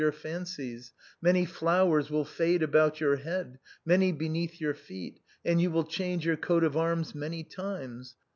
277 your fancies, many flowers will fade about your head, many beneath your feet, and you will change your coat of arms many times.